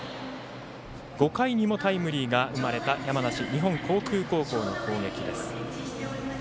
５回にもタイムリーが生まれた山梨・日本航空高校の攻撃です。